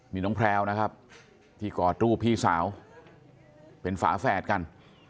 มีน้องแพลวนะครับที่กอดรูปพี่สาวเป็นฝาแฝดกัน